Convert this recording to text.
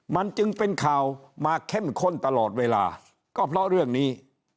มันจึงเป็นข่าวมาเข้มข้นตลอดเวลาก็เพราะเรื่องนี้